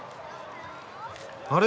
あれ？